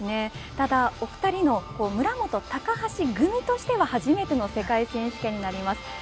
ただお二人の村元・高橋組としては初めての世界選手権になります。